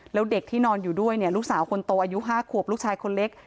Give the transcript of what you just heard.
แล้วเด็กที่นอนอยู่ด้วยเนี่ยลูกสาวคนโตอายุ๕ขวบลูกชายคนเล็ก